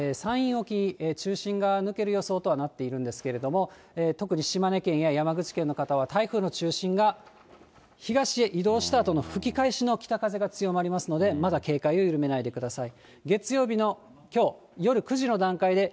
夕方の６時に島根県から山陰沖に、中心側、抜ける予想となってはいるんですけれども、特に島根県や山口県の方は台風の中心が東へ移動したあとの吹き返しの北風が強まりますので、まだ警戒を緩めないでください。